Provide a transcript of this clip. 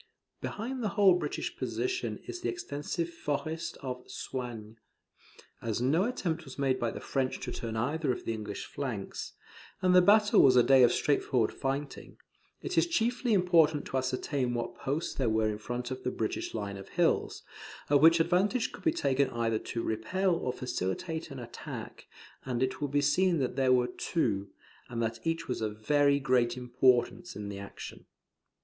Behind the whole British position is the extensive forest of Soignies. As no attempt was made by the French to turn either of the English flanks, and the battle was a day of straightforward fighting, it is chiefly important to ascertain what posts there were in front of the British line of hills, of which advantage could be taken either to repel or facilitate an attack; and it will be seen that there were two, and that each was of very great importance in the action.